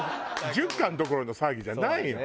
１０巻どころの騒ぎじゃないの！